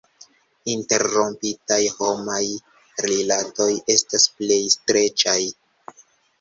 Interrompitaj homaj rilatoj estas plej streĉaj.